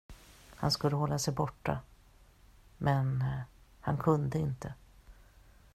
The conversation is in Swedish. Han skulle hålla sig borta, men han kunde inte.